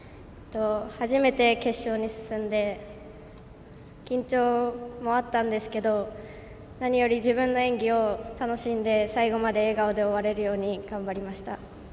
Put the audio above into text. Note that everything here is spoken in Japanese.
初めて決勝に進んで緊張もあったんですけど何より自分の演技を楽しんで最後まで笑顔で終われるように頑張りました。